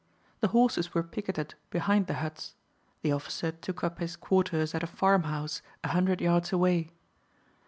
The horses were picketed behind the huts; the officer took up his quarters at a farmhouse a hundred yards away.